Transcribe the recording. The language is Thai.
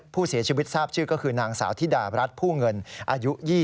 ผู้เสียชีวิตทราบชื่อก็คือนางสาวธิดารัฐผู้เงินอายุ๒๐